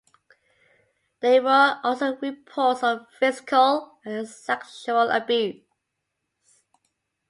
There were also reports of physical and sexual abuse.